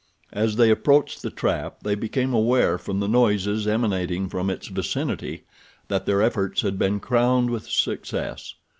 As they approached the trap they became aware from the noises emanating from its vicinity that their efforts had been crowned with success.